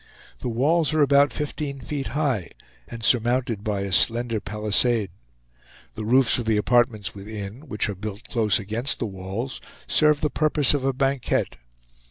The walls are about fifteen feet high, and surmounted by a slender palisade. The roofs of the apartments within, which are built close against the walls, serve the purpose of a banquette.